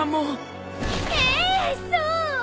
ええそう！